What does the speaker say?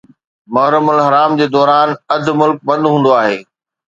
محرم الحرام دوران اڌ ملڪ بند هوندو آهي.